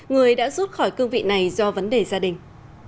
người đã rút khỏi cương vị này do vấn đề gia đình